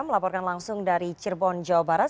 melaporkan langsung dari cirebon jawa barat